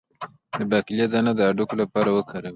د باقلي دانه د هډوکو لپاره وکاروئ